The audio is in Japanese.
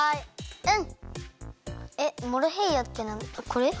うん。